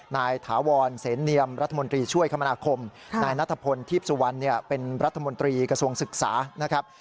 ถาวรเสนเนียมรัฐมนตรีช่วยคมนาคมนายนัทพลทีพสุวรรณเป็นรัฐมนตรีกระทรวงศึกษานะครับ